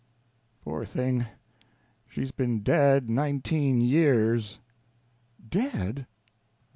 Poor thing, she's been dead nineteen years!" "Dead?"